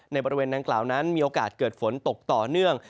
บริเวณดังกล่าวนั้นมีโอกาสเกิดฝนตกต่อเนื่อง